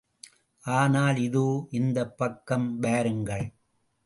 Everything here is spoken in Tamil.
ஆனால் இதோ, இந்தப் பக்கம் வாருங்கள்.